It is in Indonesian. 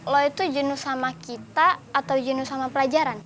lo itu jenuh sama kita atau jenuh sama pelajaran